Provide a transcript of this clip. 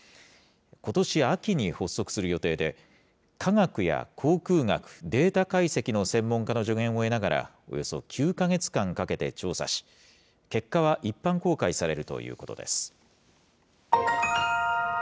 ことし秋に発足する予定で、科学や航空学、データ解析の専門家の助言を得ながら、およそ９か月間かけて調査し、結果は一般公開されるということです。